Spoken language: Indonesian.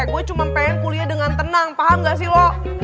gue cuma pengen kuliah dengan tenang paham gak sih lo